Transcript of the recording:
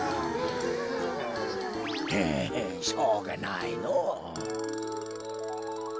はあしょうがないのお。